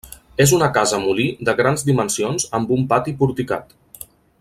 És una casa molí de grans dimensions amb un pati porticat.